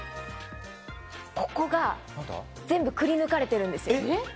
ここが全部くり抜かれているんです。